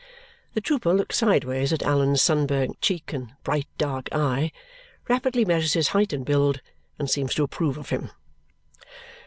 The trooper looks sideways at Allan's sunburnt cheek and bright dark eye, rapidly measures his height and build, and seems to approve of him.